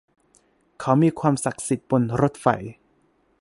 เขามีความศักดิ์สิทธิ์บนรถไฟ